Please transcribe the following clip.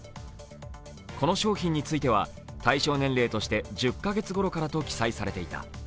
この商品については対象年齢として１０カ月頃からと記載されていた。